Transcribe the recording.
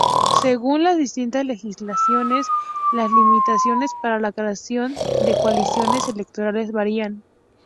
Según las distintas legislaciones, las limitaciones para la creación de coaliciones electorales varían.